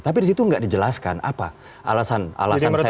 tapi di situ nggak dijelaskan apa alasan alasan scientificnya